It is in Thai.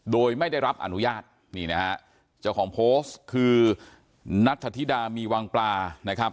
โดยไม่ได้รับอนุญาตนี่นะฮะเจ้าของโพสต์คือนัทธิดามีวังปลานะครับ